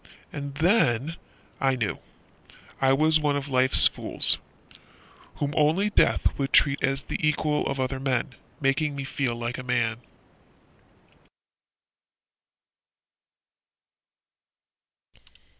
And then I knew I was one of Life's fools, Whom only death would treat as the equal Of other men, making me feel like a man.